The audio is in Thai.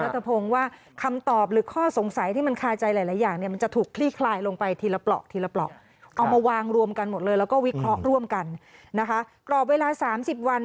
จะเร่งบรรติการให้เสร็จภายใน๑๒สัปดาห์นี่แหละค่ะ